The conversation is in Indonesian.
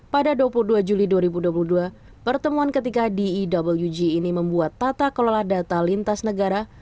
pada dua puluh dua juli dua ribu dua puluh dua pertemuan ketiga dewg ini membuat tata kelola data lintas negara